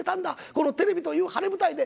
このテレビという晴れ舞台で。